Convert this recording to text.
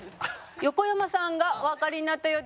横山さんがおわかりになったようです。